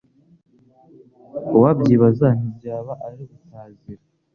Uwabyibaza ntibyaba ari ugutazira.